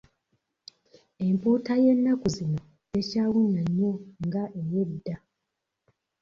Empuuta y'ennaku zino tekyawunnya nnyo nga ey'edda.